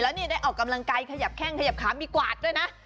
แล้วนี่ได้ออกกำลังกายขยับแข้งขยับขามีกวาดด้วยนะ